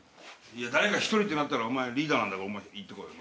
いや誰か１人ってなったらお前リーダーなんだから行ってこい。